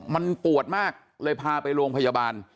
มันปวดมากเลยพาไปโรงพยาบาล